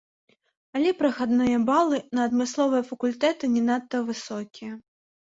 Але прахадныя балы на адмысловыя факультэты не надта высокія.